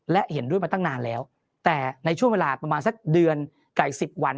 และเห็นด้วยมาตั้งนานแล้วแต่ในช่วงเวลาประมาณสักเดือนไก่สิบวัน